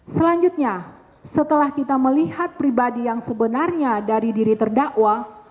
selanjutnya setelah kita melihat pribadi yang sebenarnya dari diri terdakwa